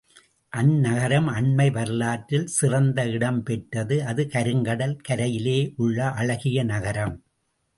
அந்நகரம் அண்மை வரலாற்றில் சிறந்த இடம் பெற்றது, அது கருங்கடல் கரையில் உள்ள அழகிய நகரம்.